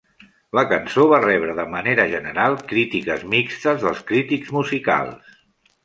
La cançó va rebre de manera general crítiques mixtes dels crítics musicals.